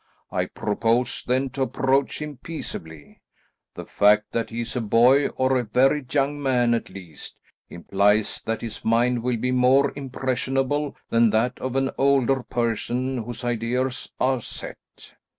I propose then to approach him peaceably. The fact that he is a boy, or a very young man at least, implies that his mind will be more impressionable than that of an older person whose ideas are set.